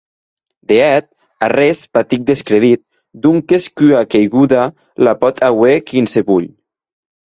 De hèt, arrés patic descredit, donques qu’ua queiguda la pòt auer quinsevolh.